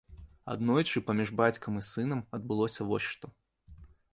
Аднойчы паміж бацькам і сынам адбылося вось што.